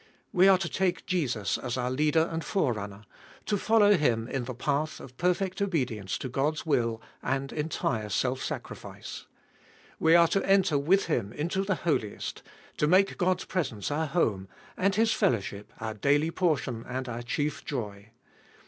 We are to take Jesus as our Leader and Forerunner, to follow Him in the path of perfect obedience to God's will, and entire self sacrifice. We are to enter with Him into the Holiest, to make God's presence our home, and His fellowship our daily portion and our chief joy.